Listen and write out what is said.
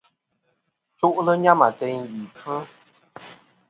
Chu'lɨ nyam ateyn ì kfɨ.